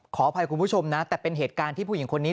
ขออภัยคุณผู้ชมนะแต่เป็นเหตุการณ์ที่ผู้หญิงคนนี้